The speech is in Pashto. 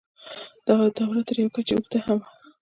دغه دوره تر یوې کچې اوږده هم وه.